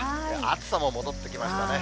暑さも戻ってきましたね。